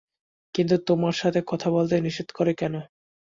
কিন্তু তোমার সাথে কথা বলতে নিষেধ কেন করে?